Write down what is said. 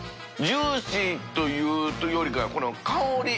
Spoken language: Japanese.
ジューシーというよりかはこの香り。